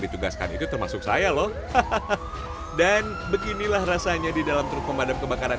ditugaskan itu termasuk saya loh hahaha dan beginilah rasanya di dalam truk pemadam kebakaran